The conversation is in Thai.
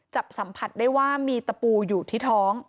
จับสัมผัสได้ว่ามีตะปูอยู่ที่ท้อง